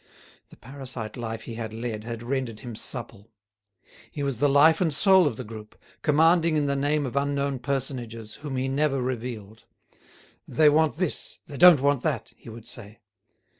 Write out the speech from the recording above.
The parasite life he had led had rendered him supple. He was the life and soul of the group, commanding in the name of unknown personages whom he never revealed. "They want this, they don't want that," he would say.